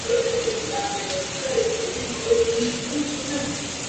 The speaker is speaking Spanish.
La de menor cohesión era la camarilla de Anhui.